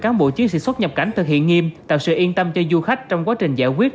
các cán bộ chiến sĩ xuất nhập cảnh thực hiện nghiêm tạo sự yên tâm cho du khách trong quá trình giải quyết